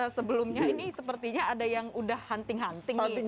sebelumnya ini sepertinya ada yang udah hunting hunting nih